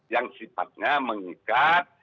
yang sifatnya mengikat